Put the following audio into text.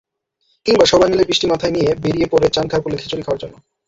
কিংবা সবাই মিলে বৃষ্টি মাথায় নিয়ে বেরিয়ে পড়ি চানখাঁরপুলে খিচুড়ি খাওয়ার জন্য।